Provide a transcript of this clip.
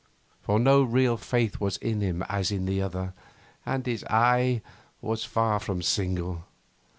For no real faith was in him as in the other, and his eye was far from single.